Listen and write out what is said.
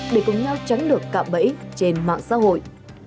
để cùng nhau tránh được cạm bẫy trên mạng xã hội